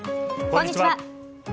こんにちは。